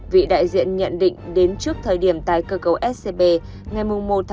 vị đại diện nhận định đến trước thời điểm tài cơ cấu scb ngày một một hai nghìn một mươi hai